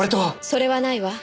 それはないわ。